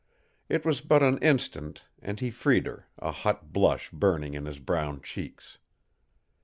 It was but an instant, and he freed her, a hot blush burning in his brown cheeks.